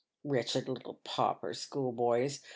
"Wretched little pauper schoolboys